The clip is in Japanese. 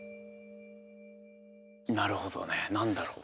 なるほどね何だろう？